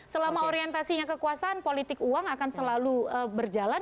selama orientasinya kekuasaan politik uang akan selalu berjalan